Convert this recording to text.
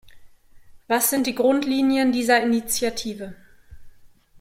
Was sind die Grundlinien dieser Initiative?